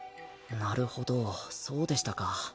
なるほどそうでしたか。